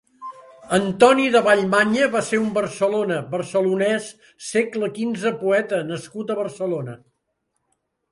Antoni de Vallmanya va ser un barcelona, Barcelonès, segle quinze Poeta nascut a Barcelona.